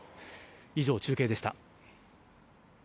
以上、中継でした。